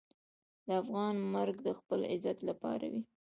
د افغان مرګ د خپل عزت لپاره وي.